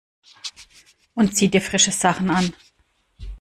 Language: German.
Und zieh dir frische Sachen an!